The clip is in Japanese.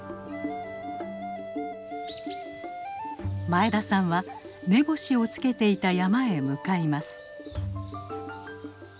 前田さんは目星をつけていた山へ向かいます。